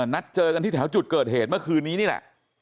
นัดเจอกันที่แถวจุดเกิดเหตุเมื่อคืนนี้นี่แหละ